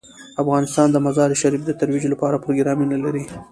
افغانستان د مزارشریف د ترویج لپاره پروګرامونه لري.